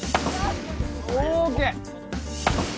ＯＫ